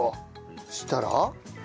そしたら？